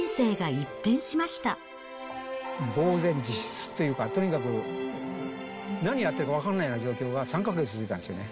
ぼう然自失というか、とにかく何やってるか分からない状況が３か月続いたんですよね。